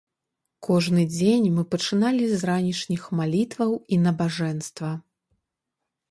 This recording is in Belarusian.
Кожны дзень мы пачыналі з ранішніх малітваў і набажэнства.